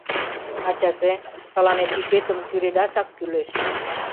— Ачаже, тыланет ӱпетым тӱредашак кӱлеш.